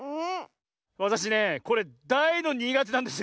わたしねこれだいのにがてなんですよ。